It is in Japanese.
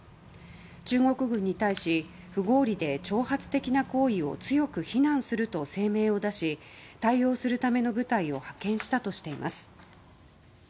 中国軍に対し、不合理で挑発的な行為を強く非難すると声明を出し対応するための部隊を派遣したとしています。